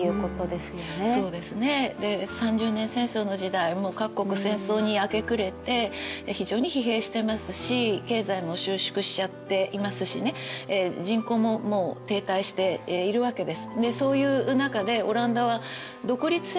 で三十年戦争の時代もう各国戦争に明け暮れて非常に疲弊してますし経済も収縮しちゃっていますしね人口ももう停滞しているわけです。